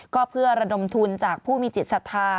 ก็เพื่อระดมทุนจากผู้มีจิตศรัทธา